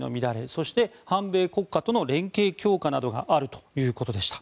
そして反米国家との連携強化などがあるということでした。